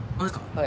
はい。